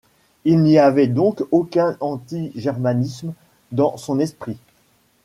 Il n'y avait donc aucun anti-germanisme dans son esprit.